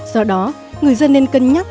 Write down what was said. do đó người dân nên cân nhắc